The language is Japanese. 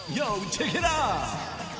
チェケラッ！